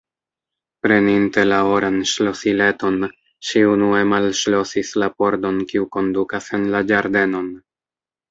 Preninte la oran ŝlosileton, ŝi unue malŝlosis la pordon kiu kondukas en la ĝardenon.